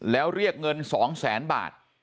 แล้วเรียกเงิน๒แสนบาท